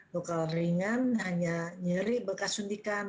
lokal ringan hanya nyeri bekas undikan